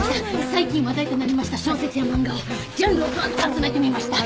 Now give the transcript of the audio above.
最近話題となりました小説や漫画をジャンルを問わず集めてみました。